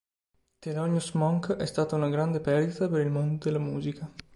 Thelonious Monk: “è stata una grande perdita per il mondo della musica.